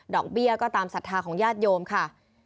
เบี้ยก็ตามศรัทธาของญาติโยมค่ะ